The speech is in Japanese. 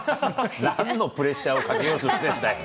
なんのプレッシャーをかけようとしてるんだよ。